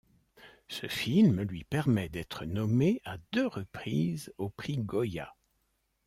Ce film lui permet d'être nommée à deux reprises aux Prix Goya.